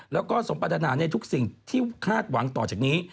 แล้วก็สมปรัฐนาในทุกสิ่งที่คาดหวังต่อจากนี้